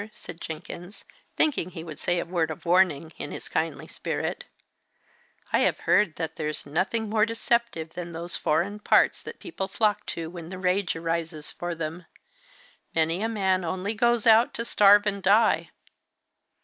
"Sir," said Jenkins, thinking he would say a word of warning, in his kindly spirit: "I have heard that there's nothing more deceptive than those foreign parts that people flock to when the rage arises for them. Many a man only goes out to starve and die."